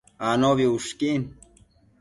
Anobi ushquin